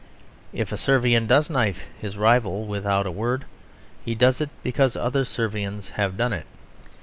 If a Servian does knife his rival without a word, he does it because other Servians have done it.